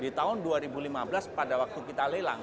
di tahun dua ribu lima belas pada waktu kita lelang